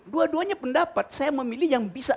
dua duanya pendapat saya memilih yang bisa